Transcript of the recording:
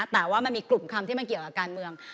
แต่ว่ามันมีกลุ่มคำที่มันเกี่ยวกับการเมือง